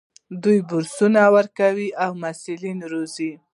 دوی بورسونه ورکوي او محصلین روزي.